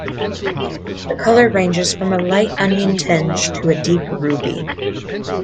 The colour ranges from a light onion tinge to a deep ruby.